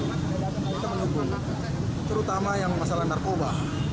kita mendukung terutama yang masalah narkoba